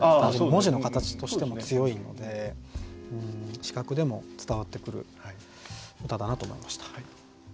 文字の形としても強いので視覚でも伝わってくる歌だなと思いました。